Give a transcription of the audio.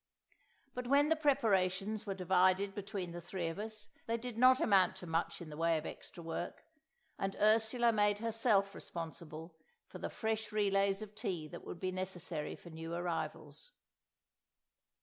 But when the preparations were divided between the three of us, they did not amount to much in the way of extra work; and Ursula made herself responsible for the fresh relays of tea that would be necessary for new arrivals.